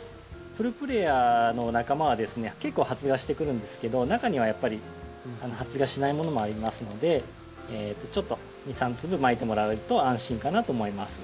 プルプレアの仲間はですね結構発芽してくるんですけど中にはやっぱり発芽しないものもありますのでちょっと２３粒まいてもらえると安心かなと思います。